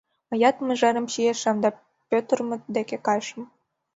Мыят мыжерым чийышым да Пӧтырмыт деке кайышым.